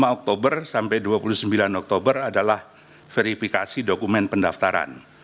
lima oktober sampai dua puluh sembilan oktober adalah verifikasi dokumen pendaftaran